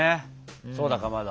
そうだかまど。